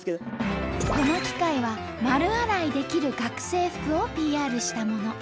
この機械は丸洗いできる学生服をＰＲしたもの。